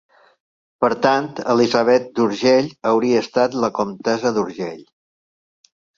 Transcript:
Per tant Elisabet d'Urgell hauria estat la comtessa d'Urgell.